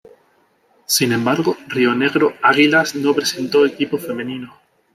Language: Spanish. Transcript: Sin embargo Rionegro Águilas no presentó equipo femenino.